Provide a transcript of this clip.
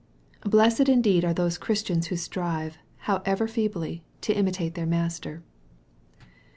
Blessed indeed are those Christians who strive, however feebly, to imitate their Master